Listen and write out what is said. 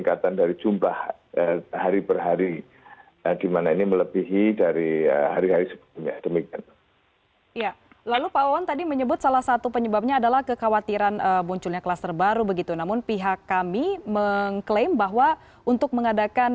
ada juga ormas ada juga pemudaan